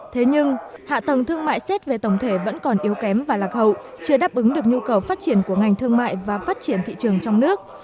thế nhưng hạ tầng thương mại xét về tổng thể vẫn còn yếu kém và lạc hậu chưa đáp ứng được nhu cầu phát triển của ngành thương mại và phát triển thị trường trong nước